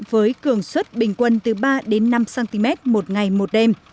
với cường suất bình quân từ ba đến năm cm một ngày một đêm